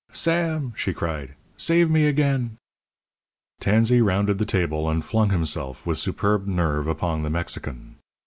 "Sam!" she cried, "save me again!" Tansey rounded the table, and flung himself, with superb nerve, upon the Mexican.